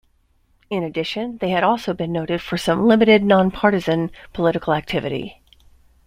In addition, they had also been noted for some limited non-partisan political activity.